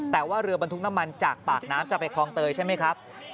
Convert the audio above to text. แต่ว่าเรือบรรทุกน้ำมันจากปากน้ำจะไปคลองเตยใช่ไหมครับ